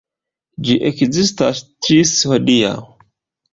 Ĝi ekzistas ĝis hodiaŭ.